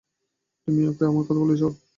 তুমি ওকে আমার কথা বলেছ?